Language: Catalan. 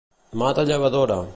Mà de llevadora.